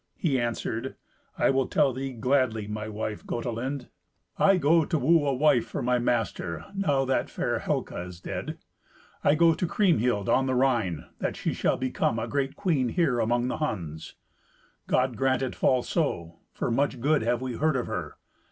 He answered, "I will tell thee gladly, my wife Gotelind. I go to woo a wife for my master, now that fair Helca is dead. I go to Kriemhild, on the Rhine, that shall become a great queen here among the Huns." "God grant it fall so, for much good have we heard of her.